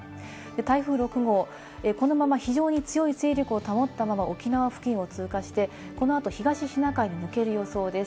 台風６号、このまま非常に強い勢力を保ったまま沖縄付近を通過して、このあと東シナ海に抜ける予想です。